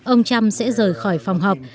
ông trump sẽ rời khỏi phòng họp